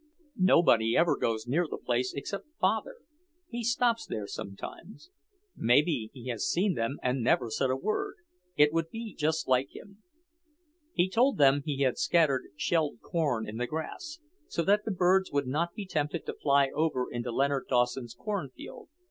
"Nobody ever goes near the place except Father; he stops there sometimes. Maybe he has seen them and never said a word. It would be just like him." He told them he had scattered shelled corn in the grass, so that the birds would not be tempted to fly over into Leonard Dawson's cornfield.